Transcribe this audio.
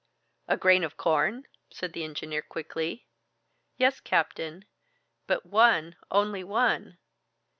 "A grain of corn?" said the engineer quickly. "Yes, captain; but one, only one!"